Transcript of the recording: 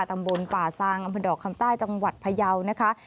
ตำบลป่าซางอำเภอดอกคำใต้จังหวัดพยาวนะคะ